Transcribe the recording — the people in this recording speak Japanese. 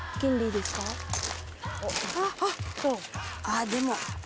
あぁでも。